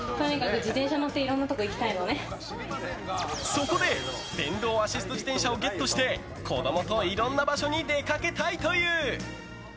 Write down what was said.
そこで電動アシスト自転車をゲットして子供といろんな場所に出かけたいという。